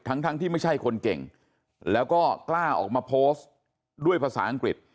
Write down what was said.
ทั้งทั้งที่ไม่ใช่คนเก่งแล้วก็กล้าออกมาโพสต์ด้วยภาษาอังกฤษ